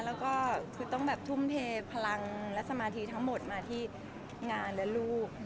แล้วก็คือต้องแบบทุ่มเทพลังและสมาธิทั้งหมดมาที่งานและลูก